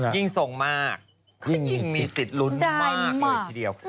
ยิ่งทรงมากยิ่งมีสิทธิ์ลุ้นมากเลยทีเดียว